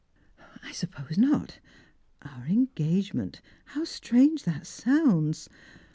"I supj/ose not. Our engagement! How strange that Bounds